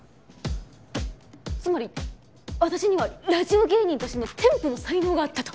つまり私にはラジオ芸人としての天賦の才能があったと？